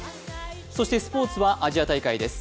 そしてスポーツはアジア大会です。